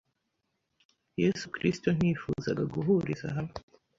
Yesu Kristo ntiyifuzaga guhuriza hamwe